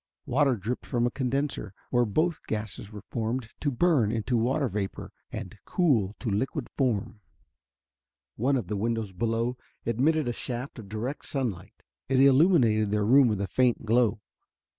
Water dripped from a condenser where both gases were formed to burn into water vapor and cool to liquid form. One of the windows below admitted a shaft of direct sunlight; it illumined their room with a faint glow.